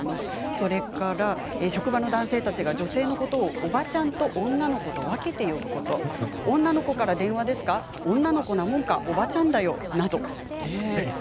それから職場の男性たちは女性のことを、おばちゃんと女の子と分けて呼ぶこと女の子から電話ですか女の子なものかおばちゃんだよなど。